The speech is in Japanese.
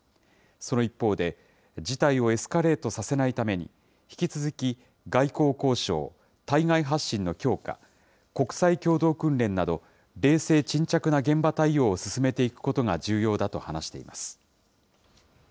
その一方で、事態をエスカレートさせないために、引き続き外交交渉、対外発信の強化、国際共同訓練など、冷静沈着な現場対応を進めていくことが重要だと話しています。